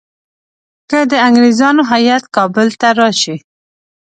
که د انګریزانو هیات کابل ته راشي.